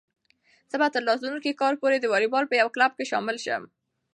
زه به تر راتلونکي کال پورې د واليبال په یو کلب کې شامل شم.